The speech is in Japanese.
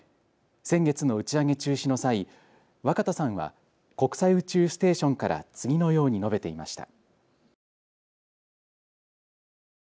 先月の打ち上げ中止の際、若田さんは国際宇宙ステーションから次のように述べていました。